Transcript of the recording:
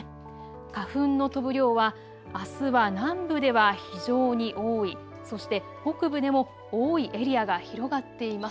花粉の飛ぶ量は、あすは南部では非常に多い、そして北部でも多いエリアが広がっています。